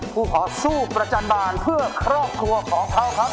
ขอสู้ประจันบาลเพื่อครอบครัวของเขาครับ